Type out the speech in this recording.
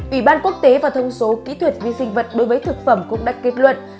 ủy ban quốc tế và thông số kỹ thuật vi sinh vật đối với thực phẩm cũng đã kết luận